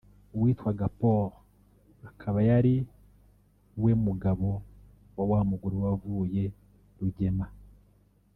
witwaga Paul akaba yari we mugabo wa wa mugore wavuye Rugema